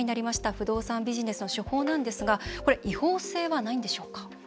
不動産ビジネスの手法なんですがこれ、違法性はないんでしょうか。